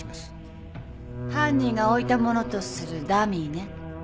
犯人が置いたものとするダミーね